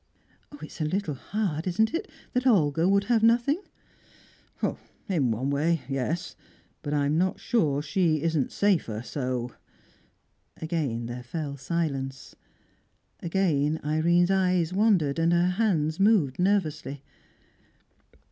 "It's a little hard, isn't it, that Olga would have nothing?" "In one way, yes. But I'm not sure she isn't safer so." Again there fell silence. Again Irene's eyes wandered, and her hands moved nervously.